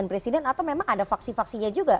presiden atau memang ada faksi faksinya juga